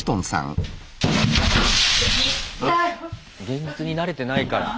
現実に慣れてないから。